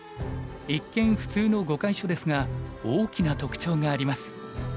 一見普通の碁会所ですが大きな特徴があります。